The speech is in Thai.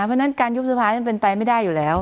เพราะฉะนั้นการยุบสภามันเป็นไปไม่ได้อยู่แล้ว